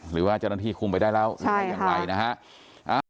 หรือว่าเจ้าหน้าที่คุมไปได้แล้วหรือไม่อย่างไรนะฮะ